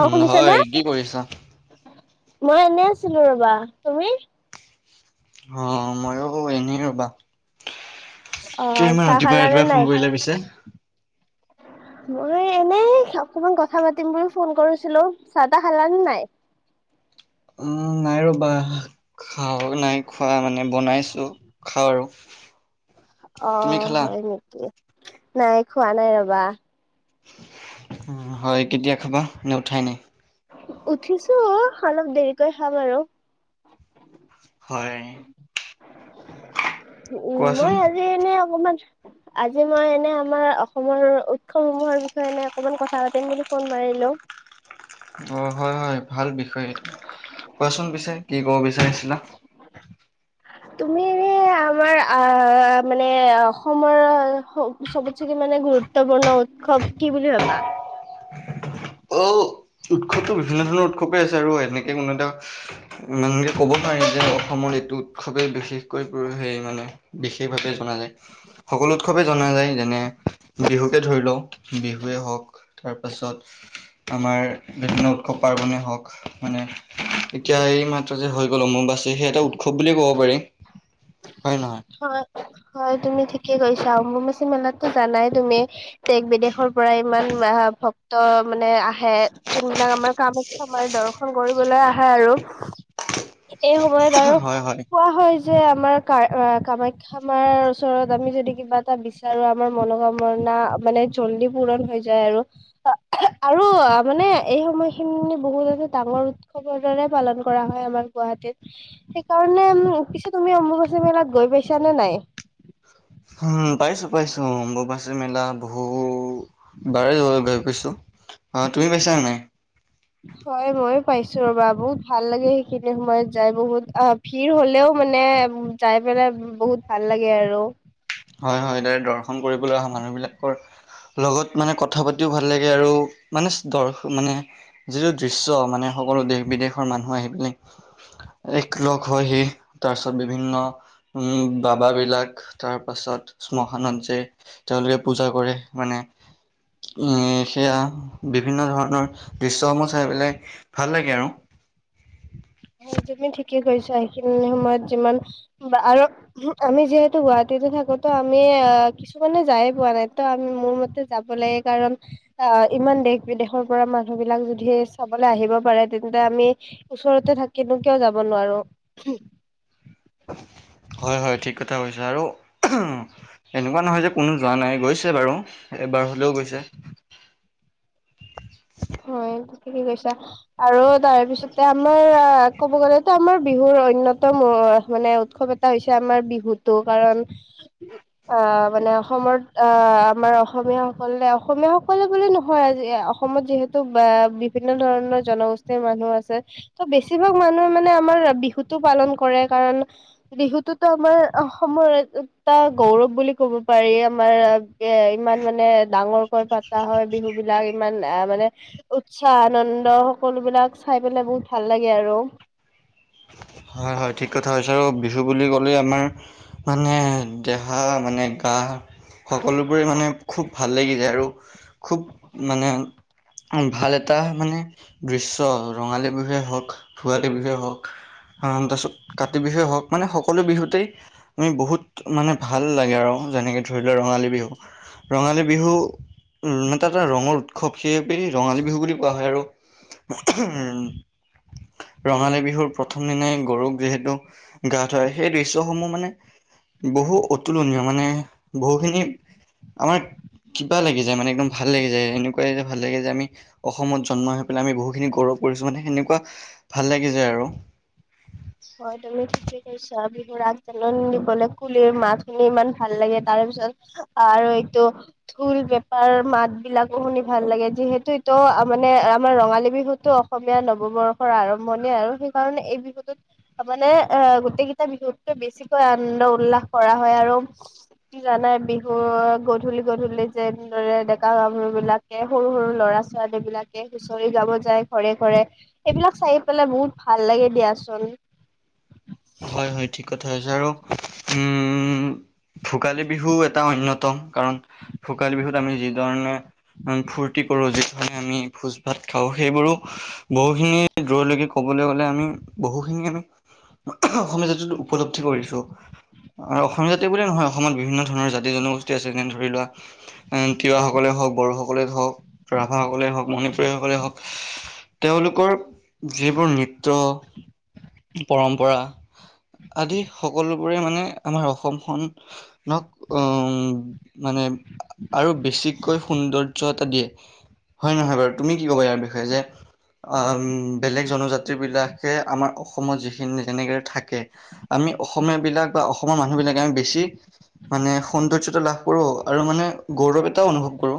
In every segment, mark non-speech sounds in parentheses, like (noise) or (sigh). অ উম, শুনিছানে হয় কি কৰিছা? মই এনে আছিলো ৰ'বা তুমি অ মইও এনে ৰ'বা অ কিয় ইমান ৰাতিপুৱাই ৰাতিপুৱাই ফোন কৰিলা পিছে উম মই এনেই অকমান কথা পাতিম বুলি ফোন কৰিছিলোঁ চাহ তাহ খালানে নাই? উম নাই ৰ'বা খাওঁ নাই খোৱা মানে বনাইছো খাওঁ আৰু অ তুমি খালা? হয় নিকি নাই খোৱা নাই ৰ'বা হয় কেতিয়া খাবা নে উঠাই নাই উঠিছো অলপ দেৰিকৈ খাম আৰু হয় উম কোৱাচোন মই আজি এনে অকমান আজি মই এনে আমাৰ অসমৰ উৎসৱসমূহৰ বিষয়ে এনে অকমান কথা পাতিম বুলি ফোন মাৰিলোঁ অ হয় হয় ভাল বিষয় এইটো কোৱাচোন পিছে কি ক'ব বিচাৰিছিলা (unintelligible) তুমি এ আমাৰ আহ মানে অসমৰ চবতচে কি মানে গুৰুত্বপূৰ্ণ উৎসৱ কি বুলি ভাবা অ উৎসৱটো বিভিন্ন ধৰণৰ উৎসৱেই আছে আৰু এনেকে কোনো এটা উম এনেকে ক'ব নোৱাৰি যে অসমৰ এইটো উৎসৱেই বিশেষকৈ সেই মানে বিশেষভাৱে জনা যায় সকলো উৎসৱে জনা যায় যেনে বিহুকে ধৰি লওঁ বিহুৱে হওক তাৰপাছত আমাৰ বিভিন্ন উৎসৱ পাৰ্বণেই হওক মানে এতিয়া এই মাত্ৰ যে হৈ গ'ল অম্বুবাচী সেই এটা উৎসৱ বুলিয়ে ক'ব পাৰি হয় নহয় হয় হয় তুমি ঠিকে কৈছা অম্বুবাচী মেলাত জানাই তুমি দেশ বিদেশৰ পৰা ইমান আহ ভক্ত মানে আহ আহে যোনবিলাক আমাৰ কামাখ্যা মাৰ দৰ্শন কৰিবলৈ আহে আৰু এই সময়ত আৰু হয় হয় কোৱা হয় যে আমাৰ কা কামাখ্যা মাৰ ওচৰত আমি যদি কিবা এটা বিচাৰো আমাৰ মনোকামনা মানে জল্দি পূৰণ হৈ যায় আৰু আৰু মানে এই সময়খিনি বহুত এ ডাঙৰ উৎসৱৰ দৰে পালন কৰা হয় আমাৰ গুৱাহাটীত সেইকাৰণে উম পিছে তুমি অম্বুবাচী মেলাত গৈ পাইছা নে নাই? উম পাইছো পাইছো অম্বুবাচী মেলা বহু বাৰে য বাই পাইছো অ তুমি পাইছা নাই হয় ময়ো পাইছো ৰ'বা বহুত ভাল লাগে সেইখিনি সময়ত যাই বহুত আ ভিৰ হ'লেও মানে যাই পেলাই বহুত ভাল আৰু হয় হয় তাৰে দৰ্শন কৰিবলৈ অহা মানুহবিলাকৰ লগত মানে কথা পাতিও ভাল লাগে আৰু মানে দৰ্শ মানে যিটো দৃশ্য মানে সকলো দেশ বিদেশৰ মানুহ আহি পিনে এক লগ হয়হি তাৰ পিছত বিভিন্ন উম বাবা বিলাক তাৰ তাৰ পাছত শ্মশানত যাই তেওঁলোকে পূজা কৰে মানে উম সেয়া বিভিন্ন ধৰণৰ দৃশ্যসমূহ চাই পেলাই ভাল লাগে আৰু হয় তুমি ঠিকেই কৈছা সেইখিনি সময়ত যিমান আৰু আমি যিহেতু গুৱাহাটীতে থাকোতো আমি কিছুমানে যায় পোৱা নাই ত আমি মোৰ মতে যাব লাগে কাৰণ আহ ইমান দেশ বিদেশৰ পৰা মানুহ বিলাক যদিহে চাবলৈ আহিব পাৰে তেন্তে আমি ওচৰতে থাকিনো কিয় যাব নোৱাৰো হয় হয় ঠিক কথা কৈছা আৰু এনেকুৱা নহয় যে কোনো যোৱা নাই গৈছে বাৰু এবাৰ হ'লেও গৈছে হয় (unintelligible) গৈছা আৰু তাৰ পিছতে আমাৰ আহ ক'ব গ'লেতো আমাৰ বিহুৰ অন্যতম মানে উৎসৱ এট এটা হৈছে আমাৰ বিহুতো কাৰণ অ মানে অসমত অ আমাৰ অসমীয়াসকলে, অসমীয়াসকলে বুলি নহয় আজি অসমত যিহেতু বিভিন্ন ধৰণৰ জনগোষ্ঠীৰ মানুহ আছে ত' বেছিভাগ মানুহে মানে আমাৰ বিহুটো পালন কৰে কাৰণ বিহুটোতো আমাৰ অসমৰ এটা গৌৰৱ বুলি ক'ব পাৰি আমাৰ এ ইমান মানে ডাঙৰকৈ পতা হয় বিহু বিলাক ইমান এ মানে উৎসাহ আনন্দ সকলোবিলাক চাই পেলাই বহুত ভাল লাগে আৰু হয় হয় ঠিক কথা কৈছা আৰু বিহু বুলি ক'লেই আমাৰ মানে দেহা মানে গা সকলোবোৰে মানে খুব ভাল লাগি যায় আৰু খুব মানে ভাল এটা মানে দৃশ্য ৰঙালী বিহুৱে হওক ভোগালী বিহুৱে হওক তাৰপিছত কাতি বিহুৱেই হওক মানে সকলো বিহুতেই আমি বহুত মানে ভাল লাগে আৰু যেনেকে ধৰি লোৱা ৰঙালী বিহু ৰঙালী বিহু এটা এটা ৰঙৰ উৎসৱ সেয়কেই ৰঙালী বিহু বুলি কোৱা হয় আৰু উম ৰঙালী বিহুৰ প্ৰ প্ৰথম দিনাই গৰুক যিহেতু গা ধুৱাই সেই দৃশ্যসমূহ মানে বহু অতুলনীয় মানে বহুখিনি আমাৰ কিবা লাগি যায় মানে একদম ভাল লাগি যায় এনেকুৱা যে ভাল লাগে যে আমি অসমত জন্ম হৈ পেলাই আমি বহুখিনি গৌৰৱ কৰিছো মানে সেনেকুৱা ভাল লাগি যায় আৰু হয় তুমি ঠিকে কৈছা বিহুৰ আগ জাননী দিবলে কুলিৰ মাত শুনি ইমান ভাল লাগে তাৰে পিছত আৰু এইটো ঢোল পেপাৰ মাত বিলাকো শুনি ভাল লাগে যিহেতু মানে আমাৰ ৰঙালী বিহুতো অসমীয়া নৱবৰ্ষৰ আৰম্ভণি আৰু সেইকাৰণে এই বিহুটোত মানে আহ গোটেই কেইটা বিহুতকৈ বেছিকৈ আনন্দ উল্লাস কৰা হয় আৰু জানাই বিহু গধূলি গধূলি যেনেদৰে ডেকা গাভৰু বিলাক সৰু সৰু ল'ৰা ছোৱালী বিলাকে হুঁচৰি গাব যায় ঘৰে ঘৰে এইবিলাক চাই পেলাই বহুত ভাল লাগে দিয়াচোন হয় হয় ঠিক কথাই কৈছে আৰু উম ভোগালী বিহু এটা অন্যতম কাৰণ ভোগালী বিহুত আমি যিধৰণে ফূৰ্তি কৰো যিধৰণে আমি ভোজ ভাত খাওঁ সেইবোৰো বহুখিনি দূৰলৈকে ক'বলৈ গ'লে আমি বহুখিনি আমি অসমীয়া জাতিটো উপলব্ধি কৰিছো অসমীয়া জাতি বুলিয়ে নহয় অসমত বিভিন্ন ধৰণৰ জাতি জনগোষ্ঠী আছে যেনে ধৰি লোৱা তিৱাসকলে হওক বড়োসকলে হওক ৰাভাসকলে হওক মণিপুৰিয়া সকলে হওক তেওঁলোকৰ যিবোৰ নৃত্য পৰম্ পৰা আদি সকলোবোৰে মানে আমাৰ অসমখন নক অ' মানে আৰু বেছিকৈ সৌন্দৰ্য এটা দিয়ে, হয় নহয় বাৰু? তুমি কি ক'বা, ইয়াৰ বিষয়ে যে বেলেগ জনজাতি বিলাকে আমাৰ অসমত যি যেনেকে থাকে, আমি অসমীয়া বিলাক বা অসমৰ মানুহ বিলাকে আমি বেছি মানে সৌন্দৰ্যতা লাভ কৰোঁ, আৰু মানে গৌৰৱ এটাও অনুভৱ কৰোঁ।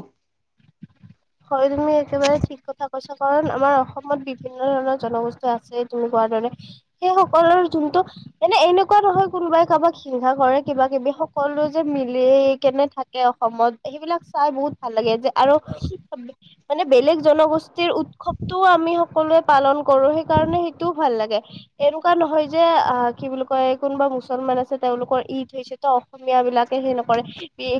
সৰুজনী একেবাৰে ঠিক। ঠিক কথা কৈছ, কাৰণ আমাৰ অসমত বিভিন্ন ধৰণৰ জনগোষ্ঠী আছে তুমি কোৱা দৰে। সেই সকলৰ যোনটো এনে এনেকুৱা নহয় কোনোবাই কাবাক হিংসা কৰে, কিবা কিবি সকলো যে মিলি কেনে থাক। অসমত সেইবিলাক চাই বহুত ভাল লাগে। যে আৰু মানে বেলেগ জনগোষ্ঠীৰ উৎসৱটোও আমি সকলোৱে পালন কৰো, সেইকাৰণে সেইটোও ভাল লাগে। এনেকুৱা নহয় যে আ কি বুলি কয় কোনোবা মুছলমান আছে, তেওঁলোকৰ ঈদ হৈছে ত অসমীয়া বিলাকে সে নকৰে,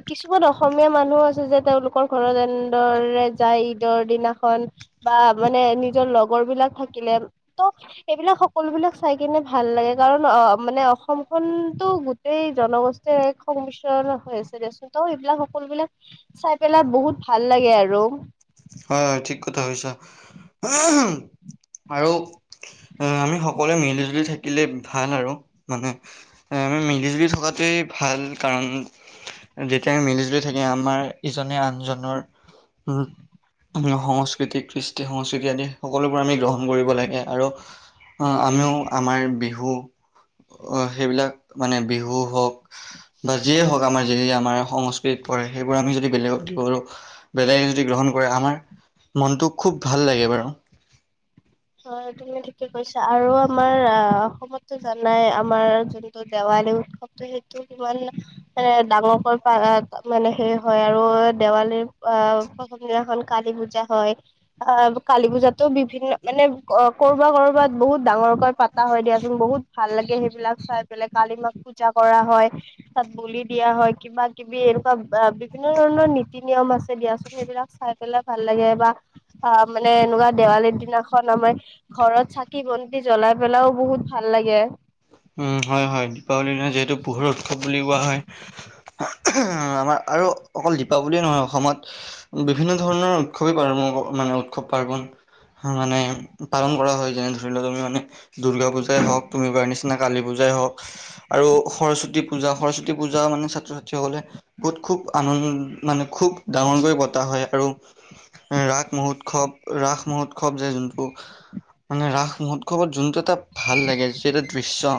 কিছুমান অসমীয়া মানুহো আছে যে তেওঁলোকৰ ঘৰত এনেদৰে যায়, ঈদৰ দিনাখন বা মানে নিজৰ লগৰ বিলাক থাকিলে। ত সেইবিলাক সকলো বিলাক চাই কিনে ভাল লাগে, কাৰণ অ' মানে অসমখন তো এই জনগোষ্ঠীৰ এক সংমিশ্ৰণ হৈ আছে দেচোন, ত' এইবিলাক সকলোবিলাক চাই পেলাই বহুত ভাল লাগে আৰু। হয়, ঠিক কথা কৈছা। আৰু আ আমি সকলোৱে মিলি জুলি থাকিলে ভাল আৰু। মানে আমি মিলিজুলি থকাটোৱেই ভাল। কাৰণ যেতিয়া আমি মিলি জুলি থাকিম, আমাৰ ইজনে আনজনৰ উম' সংস্কৃতি, কৃষ্টি সংস্কৃতি আদি সকলোবোৰ আমি গ্ৰহণ কৰিব লাগে। আৰু আমিও আমাৰ বিহু সেইবিলাক মানে বিহু হওঁক বা যিয়ে হওঁক, আমাৰ যেতিয়া আমাৰ সং তেত পৰে, সেইবোৰ আমি যদি বেলেগক দিব পাৰো, বেলেগে যদি গ্ৰহণ কৰে, আমাৰ মনটো খুব ভাল লাগে বাৰু। হয় তুমি ঠিকে কৈছা, আৰু আমাৰ অ' অসমতো জানাই আমাৰ দেৱালী উৎসৱটো সেইটো কিমান এ ডাঙৰকৈ পা মানে সেই হয় আৰু দেৱালীৰ আ যিদিনাখন কালী পূজা হয়, আ কালী পূজাতো বিভিন্ন মানে অ' কৰবাত কৰবাত বহুত ডাঙৰকৈ পাতা হয় দিয়াচোন, বহুত ভাল লাগে সেইবিলাক চাই। এফালে কালি মাক পূজা কৰা হয়, তাত বলি দিয়া হয়, কিবা কি বি এনেকুৱা বিভিন্ন ধৰণৰ নীতি নিয়ম আছে দিয়া চোন, সেইবিলাক চাই পেলাই ভাল লাগে। বা অ' মানে এনেকুৱা দেৱালীৰ দিনা ঘৰত চাকি বন্তি জ্বলাই পেলাইও বহুত ভাল লাগে। উম, হয় হয় দীপাৱলীৰ দিনা যিহেতু পোহৰ উৎসৱ বুলি কোৱা হয়। আমাৰ আৰু অকল দীপাৱলীয়ে নহয় অসমত বিভিন্ন ধৰণৰ উৎসৱ পালন, উৎসৱ মানে পাৰ্বন। মানে পালন কৰা হয়, যেনে ধৰি লোৱা তুমি মানে দুৰ্গা পূজাই হওঁক তুমি কোৱাৰ নিচ। নে কালী পূজাই হওঁক আৰু সৰস্বতী পূজা সৰস্বতী পূজা মানে ছাত্ৰ ছাত্ৰীসকলে বহুত খুব আনন মানে খুব ডাঙৰকৈ পতা হয়। আৰু ৰাস মহোৎসৱ, ৰাস মহোৎসৱ যে যোনটো মানে ৰাস মহোৎসৱত যোনটো এটা ভাল লাগে। সেইটোত চ,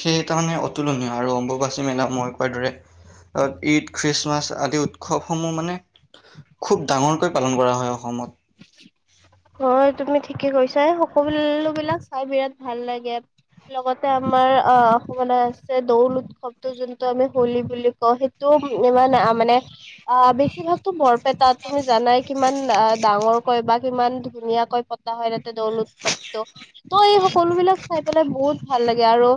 সেইকাৰণে অতুলনীয়, আৰু অম্বুবাচী মেলা মই একোৱাৰ দৰে। অ ঈদ, খ্ৰীষ্টমাছ আদি উৎসৱসমূহ মানে খুব ডাঙৰকৈ পালন কৰা হয় অসমত। হয় তুমি ঠিকে কৈছা। সকলো বিলাক চাই বিৰাট ভাল লাগে। লগতে আমাৰ আহ অসমত আছে দৌল উৎসৱটো যোনটো আমি হোলী বুলি কওঁ সেই তো ইমান আহ মানে আহ বেছিভাগতো বৰপেটাত তুমি জানাই কিমান আহ ডাঙৰকৈ বা কিমান ধুনীয়াকৈ পতা হয় তাতে দৌল উৎসৱটো। ত' এই সকলো বিলাক চাই পেলাই বহুত ভাল লাগে আৰু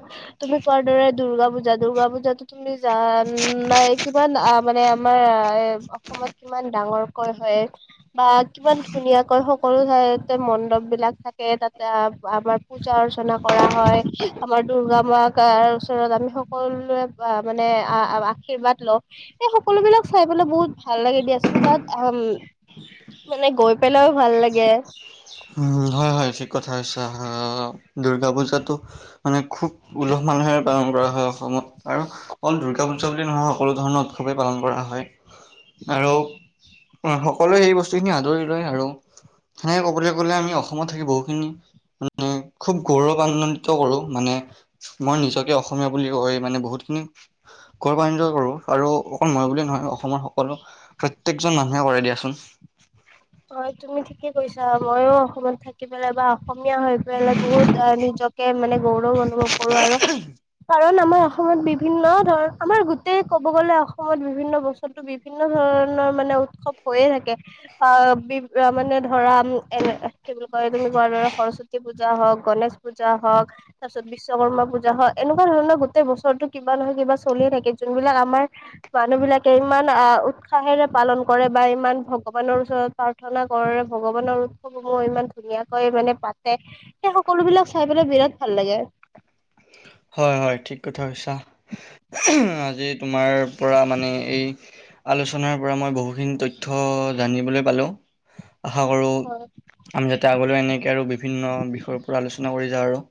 তুমি কোৱাৰ দৰে দুৰ্গা পূজা, দুৰ্গা পূজাটো তুমি জান নাই, কিমান আহ মানে আমাৰ এ কিমান ডাঙৰকৈ হয় বা কিমান ধুনীয়া কৈ হক সকলো ঠাইতে মণ্ডপবিলাক থাকে তাতে আম আমাৰ পূজা অৰ্চনা কৰা হয় আমাৰ দূৰ্গা মাক কাৰ ওচৰত আমি সকলোৱে (unintelligible) মানে আ-আ-আশীৰ্বাদ লওঁ। এই সকলোবিলাক চাই পেলায় বহুত ভাল লাগে দিয়া চোন তাত আম মানে গৈ পেলায়ও ভাল লাগে। উম! হয়-হয় ঠিক কথা কৈছা। আহ দুৰ্গা পূজাতো মানে খুব উলহ মালহেৰে পালন কৰা হয় অসমত। আৰু অকল দুৰ্গা পজা বুলি নহয় সকলো ধৰণৰ উৎসৱেই পালন কৰা হয়। আৰু সকলোৱে সেই বস্তুখিনি আদৰি লয় আৰু সেনেকে ক'বলৈ কবলে আমি অসমত থাকি বহুখিনি মানে খুব গৌৰৱ আনন্দিত কৰোঁ মানে মই নিজকে অসমীয়া বুলি কৈ মানে বহুতখিনি গৌৰাম্বিত কৰোঁ আৰু অকল মই বুলিয়ে নহয়, অসমৰ সকলো প্ৰত্যেকজন মানুহে কৰে দিয়া চোন। হয়, তুমি ঠিকে কৈছা। মইও অসমত থাকি পেলাই বা অসমীয়া হৈ পেলাই বহুত অহ নিজকে মানে গৌৰৱ অনুভৱ কৰোঁ আৰু। কাৰণ আমাৰ অসমত বিভিন্ন ধৰণৰ, আমাৰ গোটেই ক'ব গ'লে অসমত বিভিন্ন বস্তু ত' বিভিন্ন ধৰণৰ মানে উৎসৱ হৈয়েই থাকে। অহ বি অ মানে ধৰা উম, এনে কি বুলি কয়, তুমি কোৱাৰ দৰে সৰস্বতী পূজা হওঁক, গনেশ পূজা হওঁক তাৰ পিছত বিচ বিশ্বকৰ্মা পূজা হয়। এনেকুৱা ধৰণৰ গোটেই বছৰতো কিবা নহয় কিবা চলিয়ে থাকে যোনবিলাক আমাৰ মানুহ বিলাকে ইমান আহ উৎসাহেৰে পালন কৰে বা ইমান ভগ ভগৱানৰ ওচৰত প্ৰাৰ্থনা কৰে। ভগৱানৰ উৎসৱসমূহ ইমান ধুনীয়াকৈ মানে পাতে। সেই সকলো বিলাক চাই পেলাই বিৰাট ভাল লাগে। হয়-হয়, ঠিক কথা কৈছা। (unintelligible) আজি তোমাৰ পৰা মানে এই আলোচনাৰ পৰা মই বহুখিনি তথ্য জানিবলৈ পালোঁ। আশা কৰোঁ হয় আমি যাতে আগলৈ এনেকৈ আৰু বিভিন্ন বিষয়ৰ পৰা আলোচনা কৰি যাওঁ আৰু।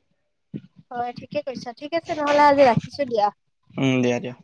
হয়, ঠিকে কৈছা। ঠিক আছে নহ'লে আজি ৰাখিছোঁ দিয়া। উম, দিয়া-দিয়া।